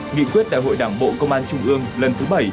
nghị quyết đại hội đảng bộ công an trung ương lần thứ bảy